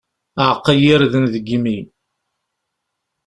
Aɛeqqa n yirden deg yimi.